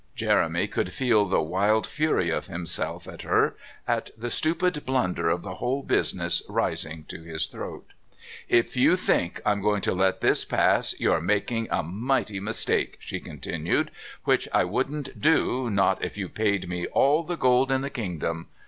Jeremy could feel the wild fury at himself, at her, at the stupid blunder of the whole business rising to his throat. "If you think I'm going to let this pass you're making a mighty mistake," she continued, "which I wouldn't do not if you paid me all the gold in the kingdom.